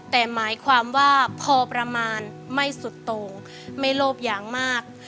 แต่หมายความว่าพอประมาณไม่สุดตรงไม่โลภอย่างมาก